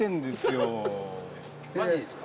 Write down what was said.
マジですか？